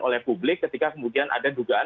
oleh publik ketika kemudian ada dugaan